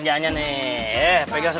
jangan jangan jangan